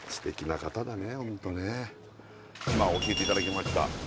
今教えていただきました